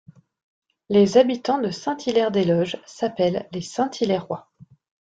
Les habitants de Saint-Hilaire-des-Loges s'appellent les Saint-Hilairois.